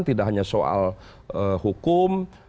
tidak hanya soal hukum